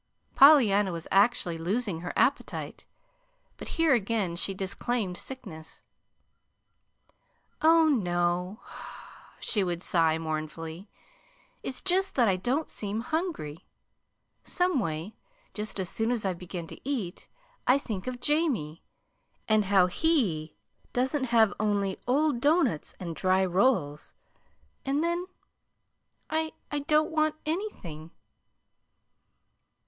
Pollyanna was actually losing her appetite; but here again she disclaimed sickness. "Oh, no," she would sigh mournfully. "It's just that I don't seem hungry. Some way, just as soon as I begin to eat, I think of Jamie, and how HE doesn't have only old doughnuts and dry rolls; and then I I don't want anything."